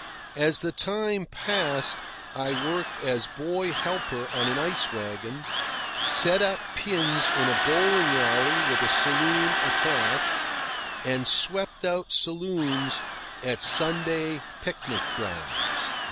As the time passed, I worked as boy helper on an ice wagon, set up pins in a bowling alley with a saloon attached, and swept out saloons at Sunday picnic grounds.